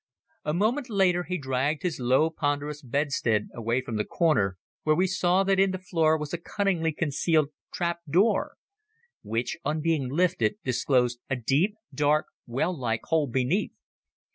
A moment later he dragged his low ponderous bedstead away from the corner, where we saw that in the floor was a cunningly concealed trap door, which, on being lifted, disclosed a deep, dark, well like hole beneath.